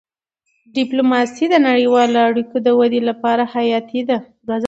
ډيپلوماسي د نړیوالو اړیکو د ودې لپاره حیاتي ده.